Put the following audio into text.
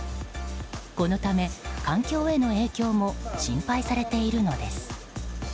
このため環境への影響も心配されているのです。